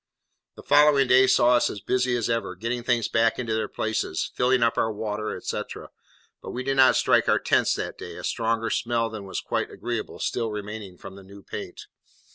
The following day saw us as busy as ever, getting things back into their places, filling up our water, etcetera; but we did not strike our tents that day, a stronger smell than was quite agreeable still remaining from the new paint.